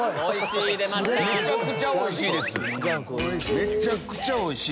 めちゃくちゃおいしい！